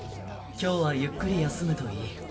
今日はゆっくり休むといい。